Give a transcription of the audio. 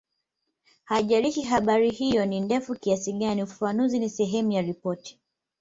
Haijalishi habari hiyo ni ndefu kiasi gani ufafanuzi ni sehemu ya ripoti